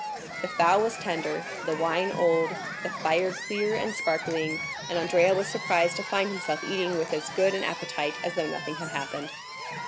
The fowl was tender, the wine old, the fire clear and sparkling, and Andrea was surprised to find himself eating with as good an appetite as though nothing had happened.